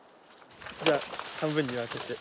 じゃあ半分に分けて。